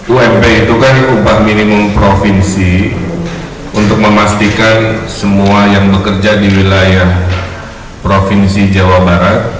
ump itu kan upah minimum provinsi untuk memastikan semua yang bekerja di wilayah provinsi jawa barat